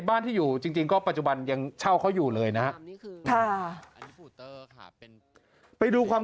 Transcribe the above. บ้านที่อยู่จริงก็ปัจจุบันยังเช่าเขาอยู่เลยนะ